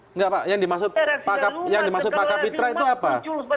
enggak pak yang dimaksud pak kapitra itu apa